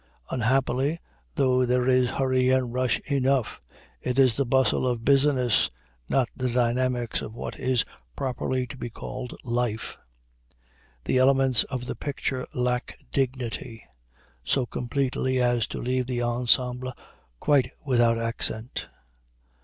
Unhappily, though there is hurry and rush enough, it is the bustle of business, not the dynamics of what is properly to be called life. The elements of the picture lack dignity so completely as to leave the ensemble quite without accent.